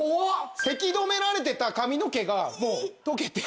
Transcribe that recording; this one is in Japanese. せき止められてた髪の毛がもう溶けて。